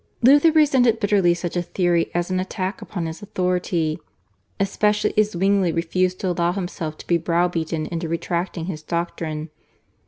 Luther resented bitterly such a theory as an attack upon his authority, especially as Zwingli refused to allow himself to be brow beaten into retracting his doctrine.